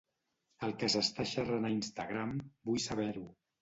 El que s'està xerrant a Instagram, vull saber-ho.